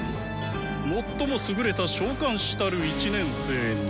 最も優れた召喚士たる１年生に。